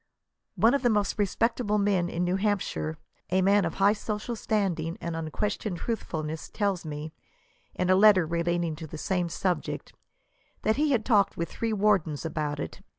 One of the most respectable men in New Hampshire, a man of high social standing and unquestioned 18 truthfolness, tells me« in a letter relating to the same subject, that he had talked with three wardens about it.